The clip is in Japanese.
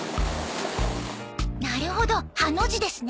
なるほどハの字ですね。